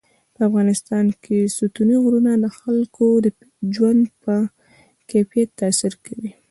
په افغانستان کې ستوني غرونه د خلکو د ژوند په کیفیت تاثیر کوي.